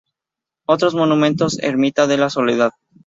Otros monumentos: Ermita de la Soledad.